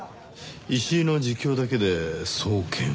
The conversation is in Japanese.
石井の自供だけで送検を？